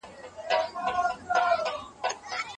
ظالمانو ته باید سزا ورکړل سي.